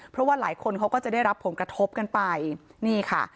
เพราะว่าหลายคนเขาก็จะได้รับผลกระทบกันไปนี่ค่ะ